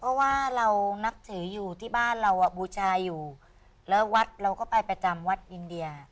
เพราะว่าเรานับถืออยู่ที่บ้านเราอ่ะบูชาอยู่แล้ววัดเราก็ไปประจำวัดอินเดีย